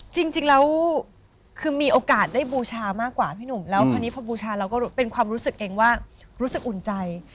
จริงแล้วคือมีโอกาสได้บูชามากกว่าพี่หนุ่มแล้วคราวนี้พอบูชาเราก็เป็นความรู้สึกเองว่ารู้สึกอุ่นใจ